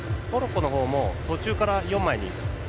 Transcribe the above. モロッコの方も途中から４枚に。